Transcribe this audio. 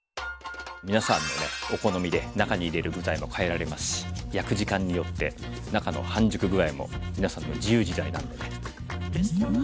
皆さんのねお好みで中に入れる具材も変えられますし焼く時間によって中の半熟具合も皆さんの自由自在なのでね。